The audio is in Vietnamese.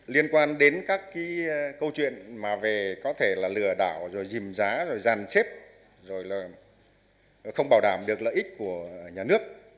liên quan đến các cái câu chuyện mà về có thể là lừa đảo rồi dìm giá rồi giàn xếp rồi là không bảo đảm được lợi ích của nhà nước